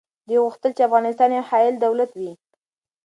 دوی غوښتل چي افغانستان یو حایل دولت وي.